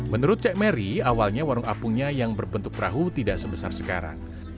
menurut cek mary awalnya warung apungnya yang berbentuk perahu tidak sebesar sekarang